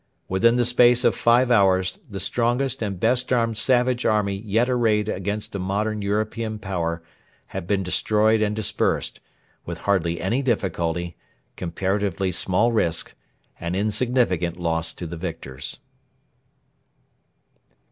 Within the space of five hours the strongest and best armed savage army yet arrayed against a modern European Power had been destroyed and dispersed, with hardly any difficulty, comparatively small risk, and insignificant loss to the victors.